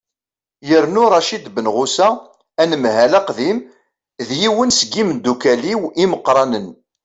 yernu racid benɣusa anemhal aqdim d yiwen seg yimeddukkal-iw imeqqranen